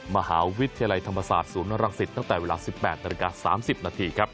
มหาวิทยาลัยธรรมศาสตร์ศูนย์รักษิตตั้งแต่เวลา๑๘น๓๐น